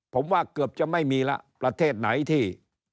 ผมว่าเกือบจะไม่มีแล้วประเทศไหนที่